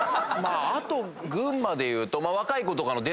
あと群馬でいうと。